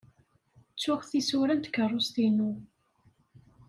Ttuɣ tisura n tkeṛṛust-inu.